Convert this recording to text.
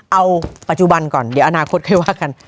เอาปัจจุบันก่อนเดี๋ยวอนาคตค่อยว่ากัน